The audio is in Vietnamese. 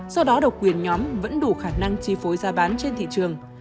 do đó độc quyền nhóm vẫn đủ khả năng chi phối giá bán trên thị trường